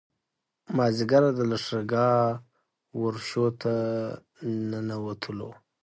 مازیګر د لښکرګاه ورشو ته ننوتلو.